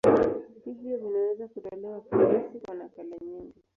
Hivyo vinaweza kutolewa kirahisi kwa nakala nyingi.